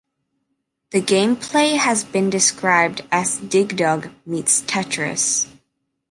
The gameplay has been described as Dig Dug meets Tetris.